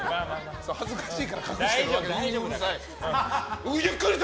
恥ずかしいから隠して。